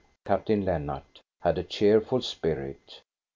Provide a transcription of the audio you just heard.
Captain Lennart, had a cheerful spirit.